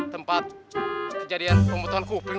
tempat kejadian pembentuan kuping